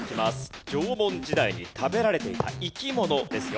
縄文時代に食べられていた生き物ですよ。